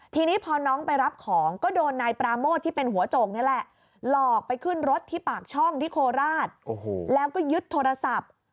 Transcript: ทีนี้พอน้องไปรับของก็โดนนายปราโมดที่เป็นหัวโจกนี่แหละ